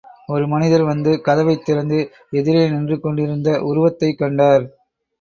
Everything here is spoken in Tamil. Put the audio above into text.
ஒரு மனிதர் வந்து கதவைத் திறந்து எதிரே நின்று கொண்டிருந்த் உருவத்தைக் கண்டார்.